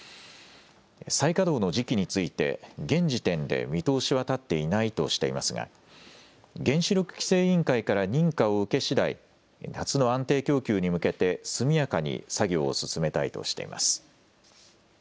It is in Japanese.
再稼働の時期について現時点で見通しは立っていないとしていますが原子力規制委員会から認可を受けしだい夏の安定供給に向けて速やかに作業を進めたいとしています。